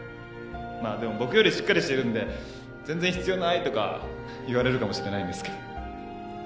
まあでも僕よりしっかりしてるんで全然必要ないとか言われるかもしれないんですけど。